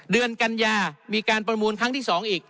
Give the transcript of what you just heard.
เดือนกัญญามีการประมูลครั้งที่๒อีก